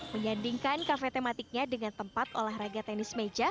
menyandingkan kafe tematiknya dengan tempat olahraga tenis meja